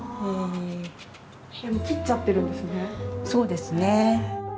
そうですね。